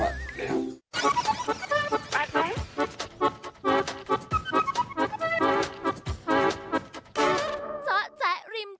อันน้ำไม่รู้ใครอยากเที่ยว